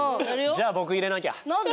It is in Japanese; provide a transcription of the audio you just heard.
じゃあ僕入れなきゃ。